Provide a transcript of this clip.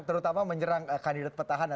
terutama menyerang kandidat pertahanan